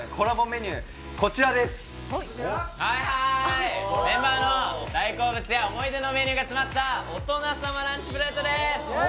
メンバーの大好物や思い出のメニューが詰まった大人様ランチプレートです。